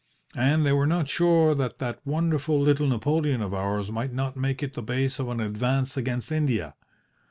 And they were not sure that that wonderful little Napoleon of ours might not make it the base of an advance against India.